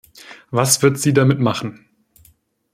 Was wird sie damit machen?